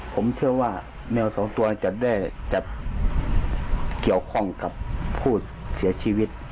ผมเชื่อว่าแมวสองตัวจะได้จะเกี่ยวข้องกับผู้เสียชีวิต